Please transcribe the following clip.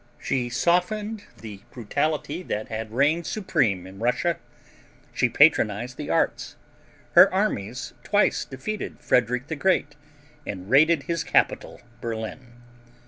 She softened the brutality that had reigned supreme in Russia. She patronized the arts. Her armies twice defeated Frederick the Great and raided his capital, Berlin.